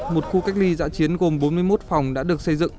một khu cách ly dã chiến gồm bốn mươi một phòng đã được xây dựng